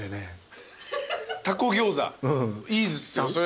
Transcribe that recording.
いいですよそれ。